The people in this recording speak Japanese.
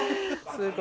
すごい。